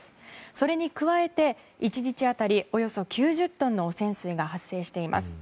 それに加えて、１日当たりおよそ９０トンの汚染水が発生しています。